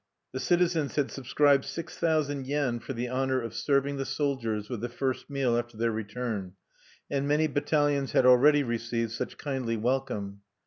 The citizens had subscribed six thousand yen for the honor of serving the soldiers with the first meal after their return; and many battalions had already received such kindly welcome.